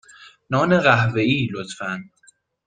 نان قهوه ای، لطفا.